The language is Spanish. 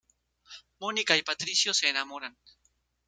Mónica y Patricio se enamoran.